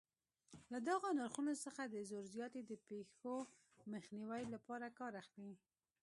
له دغو نرخونو څخه د زور زیاتي د پېښو مخنیوي لپاره کار اخلي.